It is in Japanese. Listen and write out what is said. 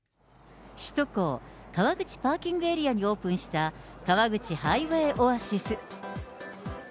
首都高川口パーキングエリアにオープンした、川口ハイウェイオアシス。